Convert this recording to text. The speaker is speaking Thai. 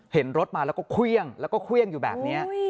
เห็นรถมาแล้วก็เครื่องแล้วก็เครื่องอยู่แบบนี้